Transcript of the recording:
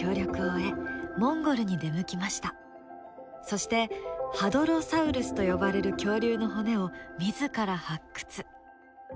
そしてハドロサウルスと呼ばれる恐竜の骨を自ら発掘。